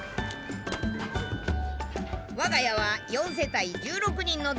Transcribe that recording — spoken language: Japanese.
我が家は４世帯１６人の大家族。